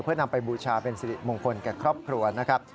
เพื่อนำไปบูชาเป็นสิริมงคลแก่ครอบครัวนะครับ